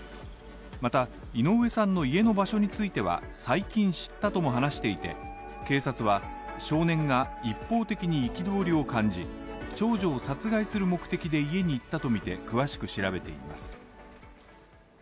また、井上さんの家の場所については、最近知ったと話していて、警察は少年が一方的に憤りを感じ、長女を殺害する目的で家に行ったとみて、詳しく調べています。